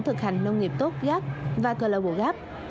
thực hành nông nghiệp tốt gap và global gap